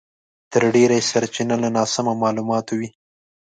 تر ډېره یې سرچينه له ناسمو مالوماتو وي.